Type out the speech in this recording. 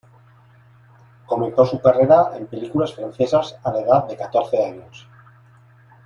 Comenzó su carrera en películas francesas a la edad de catorce años.